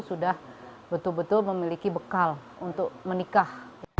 sudah betul betul memiliki bekal untuk menikah